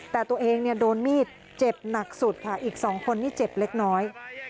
แต่ตัวเองโดนมีดเจ็บหนักสุดค่ะอีก๒คนนี่เจ็บเล็กน้อย